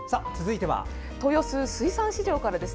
豊洲水産市場からです。